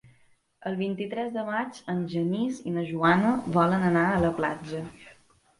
El vint-i-tres de maig en Genís i na Joana volen anar a la platja.